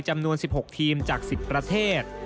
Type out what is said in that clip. จำนวน๑๖ทีมจาก๑๐ประเทศ